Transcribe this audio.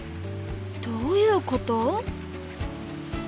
どういうこと？